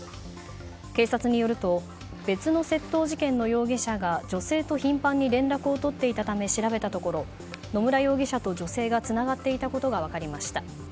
警察によると別の窃盗事件の容疑者が女性と頻繁に連絡を取っていたため調べたところ野村容疑者と女性がつながっていたことが分かりました。